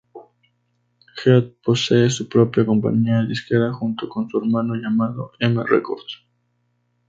Heath posee su propia compañía disquera junto con su hermano, llamada M Record.